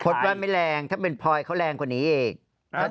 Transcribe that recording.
ว่าไม่แรงถ้าเป็นพลอยเขาแรงกว่านี้อีก